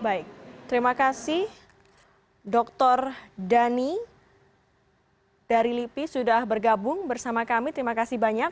baik terima kasih dr dhani dari lipi sudah bergabung bersama kami terima kasih banyak